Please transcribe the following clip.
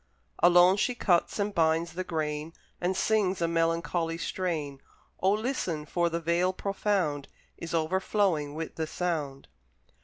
Alone she cuts and binds the grain, And sings a melancholy strain; O listen! for the Vale profound Is overflowing with the sound.